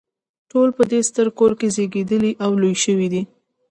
ټول په دې ستر کور کې زیږیدلي او لوی شوي دي.